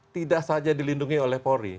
tidak saja dilindungi oleh polri